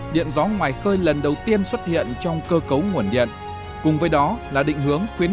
điện gió ngoài khơi lần đầu tiên xuất hiện trong cơ cấu nguồn điện cùng với đó là định hướng khuyến